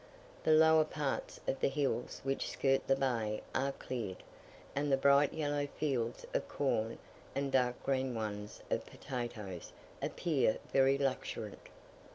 The lower parts of the hills which skirt the bay are cleared; and the bright yellow fields of corn, and dark green ones of potatoes, appear very luxuriant.